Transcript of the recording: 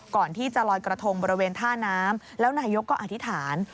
ก่อนที่จะลอยกระทงบริเวณท่าน้ำแล้วนายกก็อธิษฐาน